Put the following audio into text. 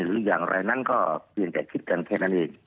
หรืออย่างไรนั้นก็เพียงแต่คิดกันแค่นั้นเอง